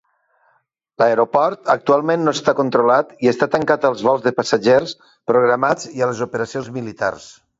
L'aeroport actualment no està controlat i està tancat als vols de passatgers programats i a les operacions militars.